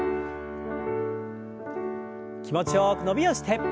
気持ちよく伸びをして。